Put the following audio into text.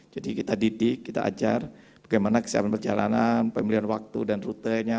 jadi kita didik kita ajar bagaimana kesiapan perjalanan pemilihan waktu dan rute nya